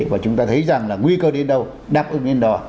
và chúng ta thấy rằng là nguy cơ đến đâu đáp ứng đến đó